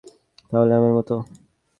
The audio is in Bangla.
তাহলে আমার মত?